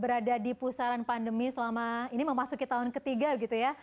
berada di pusaran pandemi selama ini memasuki tahun ketiga gitu ya